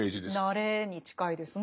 慣れに近いですね。